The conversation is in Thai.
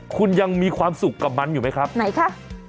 คุณยังมีความสุขกับมันอยู่ไหมครับไหนคะ